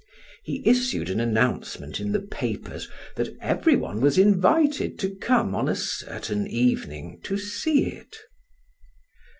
He issued an announcement in the papers that everyone was invited to come on a certain evening to see it.